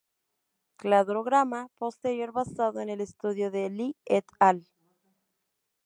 Cladograma posterior basado en el estudio de Li "et al.